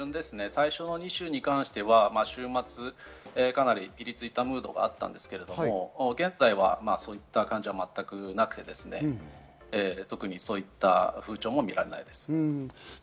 最初の２週に関しては週末かなりピリついたムードがあったんですけれども、現在はそういう感じは全くなくて、特にそういう風潮も見られないです。